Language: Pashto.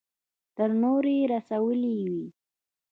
تر نورو يې رسولې وي.